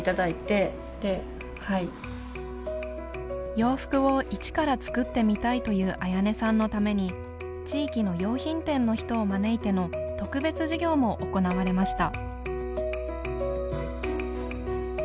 洋服をイチから作ってみたいというあやねさんのために地域の洋品店の人を招いての特別授業も行われました。